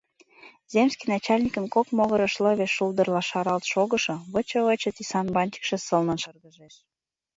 Земский начальникын кок могырыш лыве шулдырла шаралт шогышо выче-выче тӱсан бантикше сылнын йылгыжеш.